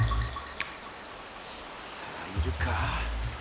さあいるか？